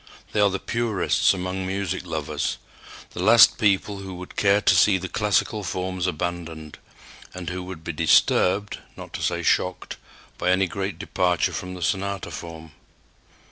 They are the purists among music lovers, the last people who would care to see the classical forms abandoned, and who would be disturbed, not to say shocked, by any great departure from the sonata form.